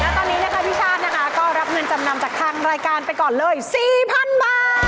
ตอนนี้นะคะพี่ชาตินะคะก็รับเงินจำนำจากทางรายการไปก่อนเลย๔๐๐๐บาท